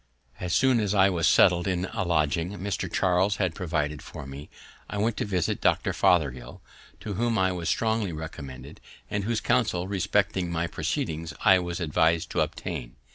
As soon as I was settled in a lodging Mr. Charles had provided for me, I went to visit Dr. Fothergill, to whom I was strongly recommended, and whose counsel respecting my proceedings I was advis'd to obtain.